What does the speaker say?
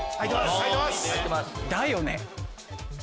だよね。